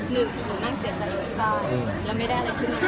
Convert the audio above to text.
หนึ่งหนูนั่งเสียจังเลยที่บ้านแล้วไม่ได้อะไรขึ้น